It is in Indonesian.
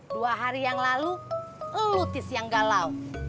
dua hari yang lalu elu tis yang galau